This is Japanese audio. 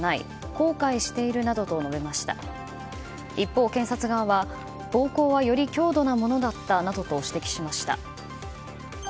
後悔しているなどと述べました一方、検察側は暴行はより強度なものだったなどと指摘しました。